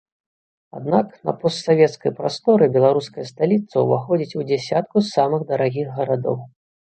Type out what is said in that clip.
Аднак на постсавецкай прасторы беларуская сталіца ўваходзіць у дзясятку самых дарагіх гарадоў.